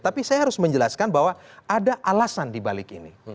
tapi saya harus menjelaskan bahwa ada alasan dibalik ini